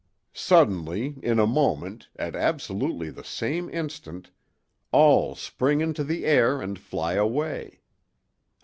Suddenly—in a moment—at absolutely the same instant—all spring into the air and fly away.